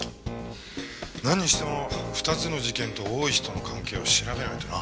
なんにしても２つの事件と大石との関係を調べないとな。